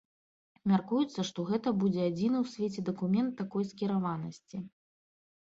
Мяркуецца, што гэта будзе адзіны ў свеце дакумент такой скіраванасці.